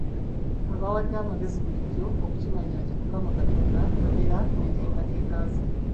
Abawadde amagezi bulijjo okukimanya nti mukama Katonda abeera n’enteekateeka ze.